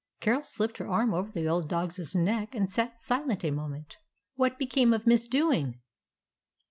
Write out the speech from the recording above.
Carol slipped her arm over the old dog's neck, and sat silent a moment. "What became of Miss Dewing?"